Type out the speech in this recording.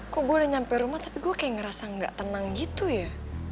kok boleh nyampe rumah tapi gue kayak ngerasa gak tenang gitu ya